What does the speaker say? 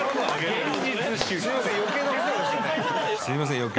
すいません